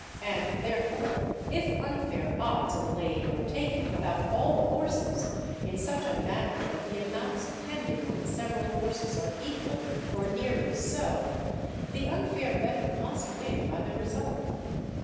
And therefore, if unfair odds are laid or taken about all the horses, in such a manner that the amounts pending on the several horses are equal (or nearly so), the unfair bettor must win by the result.